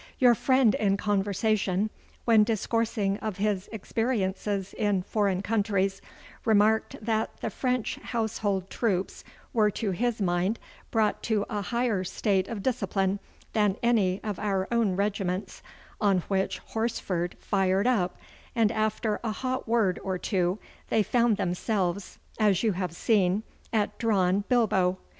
Your friend in conversation, when discoursing of his experiences in foreign countries, remarked that the French household troops were to his mind brought to a higher state of discipline than any of our own regiments, on which Horsford fired up, and after a hot word or two they found themselves, as you have seen, at drawn bilbo.